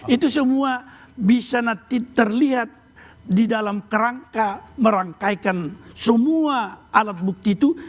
itu semua bisa nanti terlihat di dalam kerangka merangkaikan semua alat bukti itu